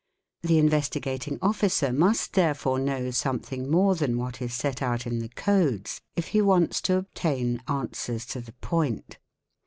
The Investigating Officer must therefore know ~ something more than what is set out in the Codes, if he wants to obtain a answers to the point.